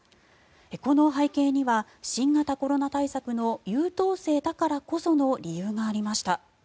この背景には新型コロナ対策の優等生だからこその理由がありました。